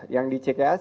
yang di cks